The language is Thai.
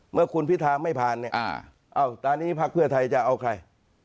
เมื่อคุณพิธาไม่ผ่านเนี่ยตอนนี้พักเพื่อไทยจะเอาใคร